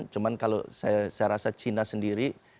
cuma kalau saya rasa china sendiri